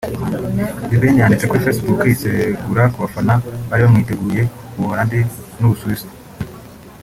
The Ben yanditse kuri Facebook yisegura ku bafana bari bamwiteguye mu Buholandi n’u Busuwisi